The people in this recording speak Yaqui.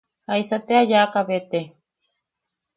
¿Jaisa te a yaaka be te?